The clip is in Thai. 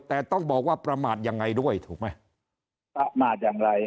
แต่ต้องบอกว่าประมาทยังไงด้วยถูกไหมประมาทอย่างไร